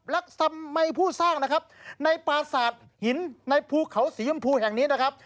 และสมัยผู้สร้างในปราสาทหินในภูเขาศรียมพูแห่งนี้นะครับ